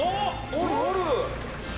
おるおる。